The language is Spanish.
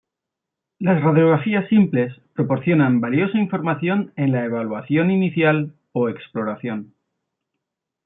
Las radiografías simples proporcionan valiosa información en la evaluación inicial o exploración.